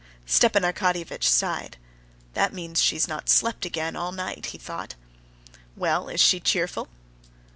Stepan Arkadyevitch sighed. "That means that she's not slept again all night," he thought. "Well, is she cheerful?"